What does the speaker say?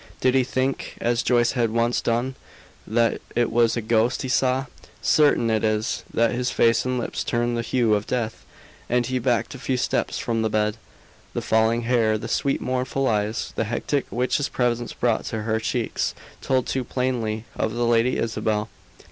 Did he think, as Joyce had once done, that it was a ghost he saw? Certain it is that his face and lips turned the hue of death, and he backed a few steps from the bed. The falling hair, the sweet, mournful eyes, the hectic which his presence brought to her cheeks, told too plainly of the Lady Isabel.